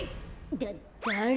だだれ？